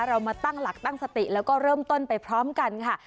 เรามาตั้งหลักตั้งสติแล้วก็เริ่มต้นไปพร้อมกันค่ะ